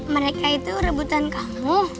mereka itu rebutan kamu